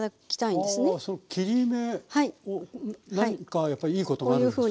あその切り目を何かやっぱりいいことがあるんですか？